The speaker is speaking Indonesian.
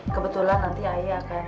kebetulan nanti ayah akan